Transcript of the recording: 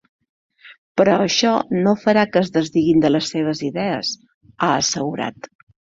Però això no farà que es desdiguin de les seves idees, ha assegurat.